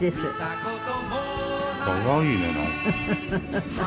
かわいいねなんか。